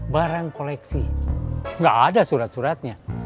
barang koleksi nggak ada surat suratnya